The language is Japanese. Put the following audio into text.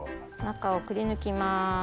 中をくりぬきます。